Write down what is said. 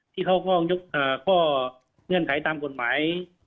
ที่เขาก็ยกข้อเงื่อนไขตามกฎหมาย